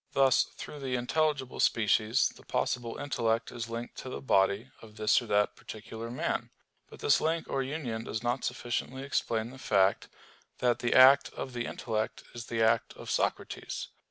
Thus through the intelligible species the possible intellect is linked to the body of this or that particular man. But this link or union does not sufficiently explain the fact, that the act of the intellect is the act of Socrates.